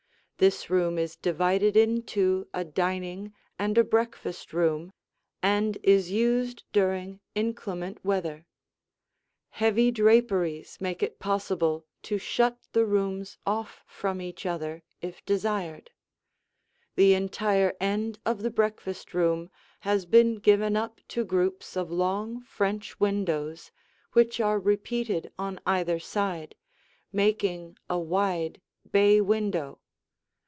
This room is divided into a dining and a breakfast room and is used during inclement weather. Heavy draperies make it possible to shut the rooms off from each other if desired. The entire end of the breakfast room has been given up to groups of long French windows which are repeated on either side, making a wide bay window.